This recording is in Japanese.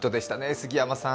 杉山さん。